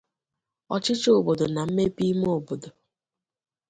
ọchịchị obodo na mmepe ime-ime obodo